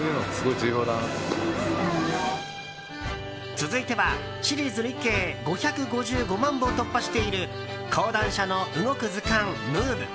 続いては、シリーズ累計５５５万部を突破している「講談社の動く図鑑ＭＯＶＥ」。